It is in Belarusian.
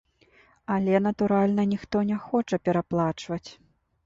Але, натуральна, ніхто не хоча пераплачваць.